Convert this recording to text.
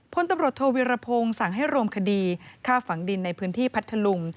พลตำรวจโทวิรพงศ์สั่งให้รวมคดีฆ่าฝังดินในพื้นที่พัทธลุง